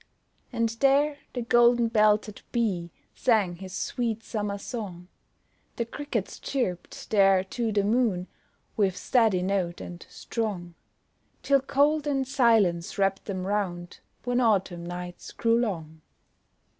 And there the golden belted bee Sang his sweet summer song, The crickets chirped there to the moon With steady note and strong; Till cold and silence wrapped them round When autumn nights grew long.